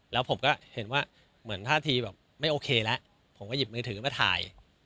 แล้วผมก็เห็นว่าเหมือนท่าทีแบบไม่โอเคแล้วผมก็หยิบมือถือมาถ่าย